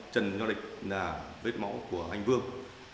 trần nho địch là vết mẫu của anh vương